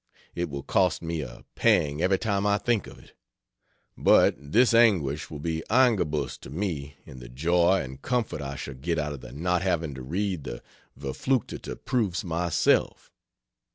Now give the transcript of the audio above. It will cost me a pang every time I think of it, but this anguish will be eingebusst to me in the joy and comfort I shall get out of the not having to read the verfluchtete proofs myself.